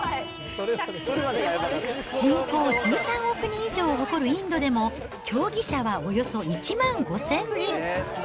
人口１３億人以上を誇るインドでも、競技者はおよそ１万５０００人。